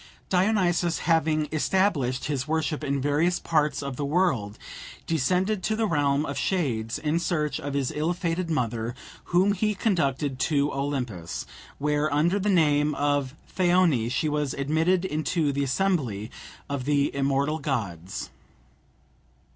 Dionysus, having established his worship in various parts of the world, descended to the realm of shades in search of his ill fated mother, whom he conducted to Olympus, where, under the name of Thyone, she was admitted into the assembly of the immortal gods.